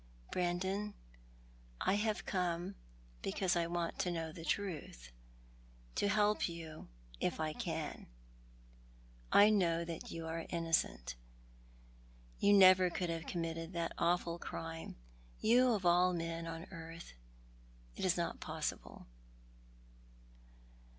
" Brandon, I have come because I want to know the truth, to help you, if I can. I know that you are innocent. You never could have committed that awful crime — you of all men on earth. It is not possible."